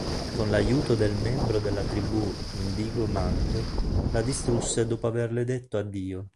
Con l'aiuto del membro della Tribù Indigo Munk, la distrusse dopo averle detto addio.